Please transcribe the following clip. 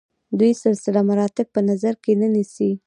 دوی سلسله مراتب په نظر کې نه نیسي.